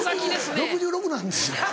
６６歳なんですよ。